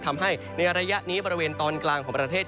ทำให้ในระยะนี้บริเวณตอนกลางของประเทศ